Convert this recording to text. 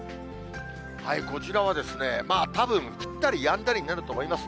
こちらはたぶん、降ったりやんだりになると思います。